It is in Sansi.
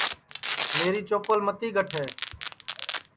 میری چوپل متی گٹھے